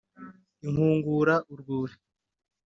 ikwungura urwuri.